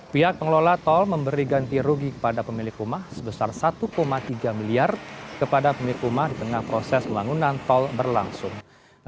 pihak pengelola tol memberi ganti rugi kepada pemilik rumah sebesar satu tiga miliar kepada pemilik rumah di tengah proses pembangunan tol berlangsung